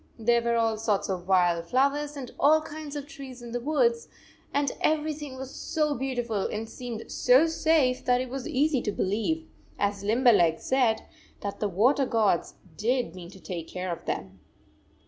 There were all sorts of wild flowers and all kinds of trees in the woods, and every 116 thing was so beautiful and seemed so safe that it was easy to believe, as Limberleg said, that the water gods did mean to take care of them.